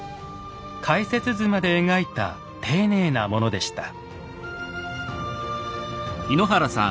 解説図まで描いた丁寧なものでした。